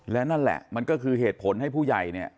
และนั่นแหละมันก็คือเหตุผลให้ผู้ใหญ่เนี่ย